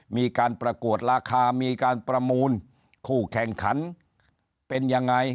มีการประกวดราคามีการประมูลคู่แข่งขันเป็นยังไง